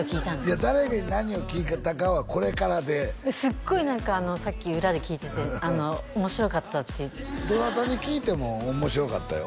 いや誰に何を聞いたかはこれからですごい何かさっき裏で聞いてて面白かったってどなたに聞いても面白かったよ